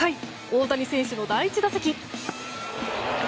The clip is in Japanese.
大谷選手の第１打席。